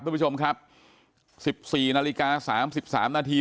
ทุกผู้ชมครับสิบสี่นาฬิกาสามสิบสามนาที